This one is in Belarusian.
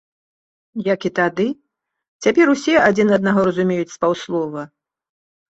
Як і тады, цяпер усе адзін аднаго разумеюць з паўслова.